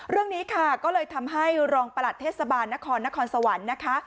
เรื่องนี้ค่ะก็เลยทำให้รองประหลัดเทศบาลนครนครสวรรค์นะคะ